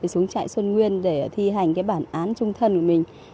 xuống trại xuân nguyên để thi hành bản án trung thân của mình